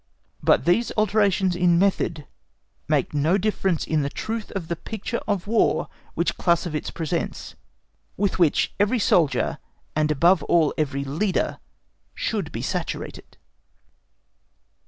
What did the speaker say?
But these alterations in method make no difference in the truth of the picture of War which Clausewitz presents, with which every soldier, and above all every Leader, should be saturated.